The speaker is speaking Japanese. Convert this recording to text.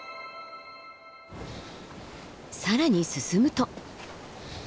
更に進むと。